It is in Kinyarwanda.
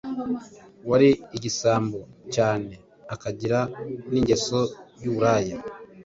wari igisambo cyane akagira n’ingeso y’uburaya ,